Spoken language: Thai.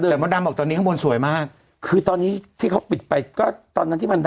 แต่มดดำบอกตอนนี้ข้างบนสวยมากคือตอนนี้ที่เขาปิดไปก็ตอนนั้นที่มัน